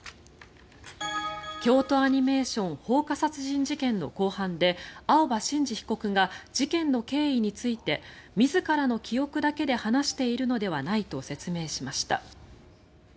京都アニメーション放火殺人事件の公判で青葉真司被告が事件の経緯について自らの記憶だけで話しているのではないと説明しました。